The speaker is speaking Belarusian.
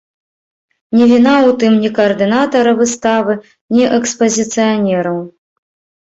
Не віна ў тым ні каардынатара выставы, ні экспазіцыянераў.